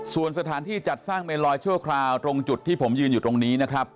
ส่วนสถานที่จัดสร้างเมนลอยชั่วคราวตรงจุดที่ผมยืนอยู่ตรงนี้นะครับ